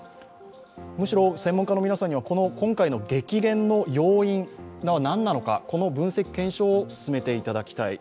むしろ専門家の皆さんには今回の激減の要因が何なのかこの分析検証を進めていただきたい。